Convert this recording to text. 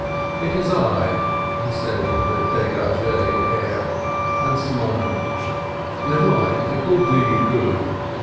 "It is I," he said with a degage air, and smiled. "Never mind, it will do you good!